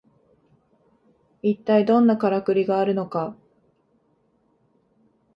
いったいどんなカラクリがあるのか